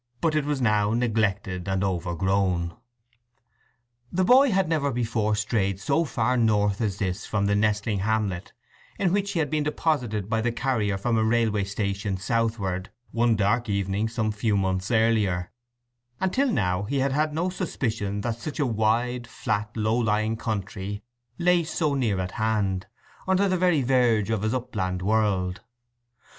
But it was now neglected and overgrown. The boy had never before strayed so far north as this from the nestling hamlet in which he had been deposited by the carrier from a railway station southward, one dark evening some few months earlier, and till now he had had no suspicion that such a wide, flat, low lying country lay so near at hand, under the very verge of his upland world.